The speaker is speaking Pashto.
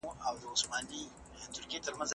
ایا لوی صادروونکي پسته صادروي؟